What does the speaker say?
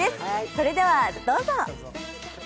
それではどうぞ。